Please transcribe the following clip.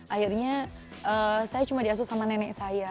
akhirnya saya cuma diasuh sama nenek saya